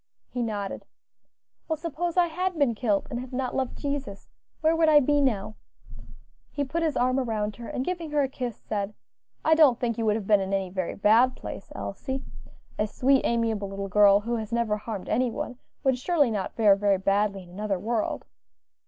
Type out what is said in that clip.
He nodded. "Well, suppose I had been killed, and had not loved Jesus; where would I be now?" He put his arm round her, and giving her a kiss, said, "I don't think you would have been in any very bad place, Elsie; a sweet, amiable little girl, who has never harmed any one, would surely not fare very badly in another world."